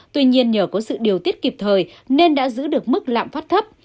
tuy nhiên nhờ có sự điều tiết kịp thời nên đã giữ được mức lạm phát thấp